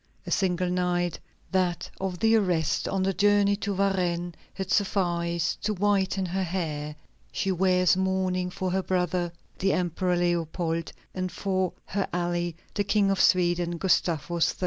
A single night, that of the arrest on the journey to Varennes, had sufficed to whiten her hair. She wears mourning for her brother, the Emperor Leopold, and for her ally, the King of Sweden, Gustavus III.